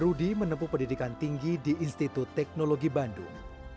rudy menempuh pendidikan tinggi di institut teknologi bandung